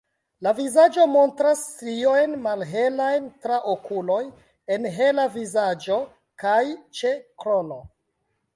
La vizaĝo montras striojn malhelajn tra okuloj -en hela vizaĝo- kaj ĉe krono.